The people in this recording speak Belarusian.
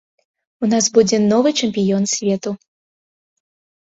У нас будзе новы чэмпіён свету.